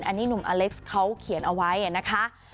อันนี้หนุ่มอเล็กซ์เขาเขียนเอาไว้นะคะ